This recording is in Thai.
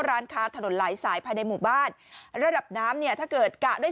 ร้านค้าถนนหลายสายภายในหมู่บ้านระดับน้ำเนี่ยถ้าเกิดกะด้วย